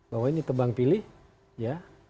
bahwa ini tebang pilih ya